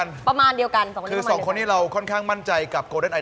หมายเลข๘กระบอกน้ำนักกีฬา